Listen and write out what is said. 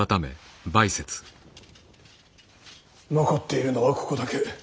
残っているのはここだけ。